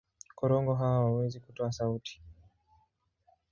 Korongo hawa hawawezi kutoa sauti.